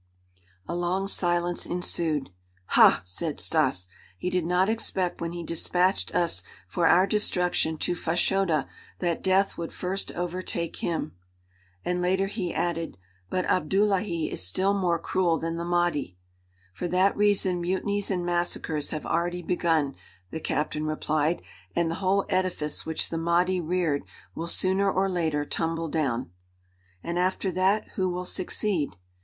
A long silence ensued. "Ha!" said Stas. "He did not expect when he despatched us for our destruction to Fashoda that death would first overtake him." And later he added: "But Abdullahi is still more cruel than the Mahdi." "For that reason mutinies and massacres have already begun," the captain replied, "and the whole edifice which the Mahdi reared will sooner or later tumble down." "And after that who will succeed?"